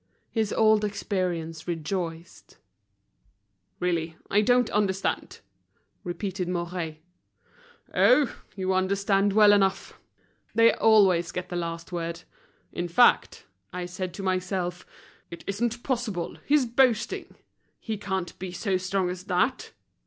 His old experience rejoiced. "Really, I don't understand," repeated Mouret. "Oh! you understand well enough. They always get the last word In fact, I said to myself: It isn't possible, he's boasting, be can't be so strong as that!